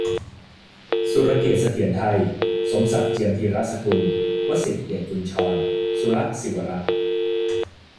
สุรเกียรติ์ เสถียรไทย สมศักดิ์ เจียมธีรสกุล วสิษฐ เดชกุญชร สุลักษณ์ ศิวรักษ์